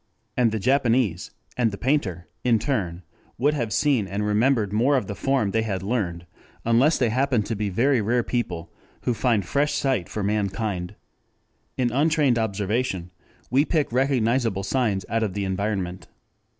And the Japanese and the painter in turn will have seen and remembered more of the form they had learned, unless they happen to be the very rare people who find fresh sight for mankind. In untrained observation we pick recognizable signs out of the environment.